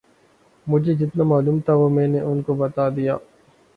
مجھے جتنا معلوم تھا وہ میں نے ان کو بتا دیا